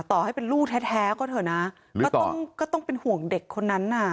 ต่อให้เป็นลูกแท้ก็เถอะนะก็ต้องก็ต้องเป็นห่วงเด็กคนนั้นน่ะ